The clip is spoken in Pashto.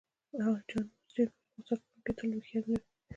جان اوسټین وایي غوصه کوونکي تل هوښیار نه وي.